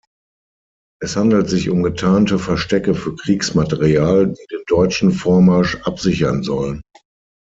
Es handelt sich um getarnte Verstecke für Kriegsmaterial, die den deutschen Vormarsch absichern sollen.